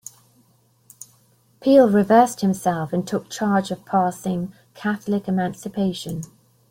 Peel reversed himself and took charge of passing Catholic Emancipation.